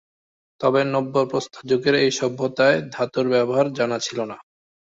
তবে নব্যপ্রস্তর যুগের এই সভ্যতায় ধাতুর ব্যবহার জানা ছিল না।